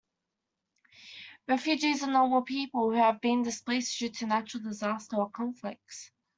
Refugees are normal people who have been displaced due to natural disaster or conflicts